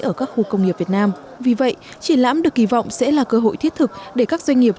ở các khu công nghiệp việt nam vì vậy triển lãm được kỳ vọng sẽ là cơ hội thiết thực để các doanh nghiệp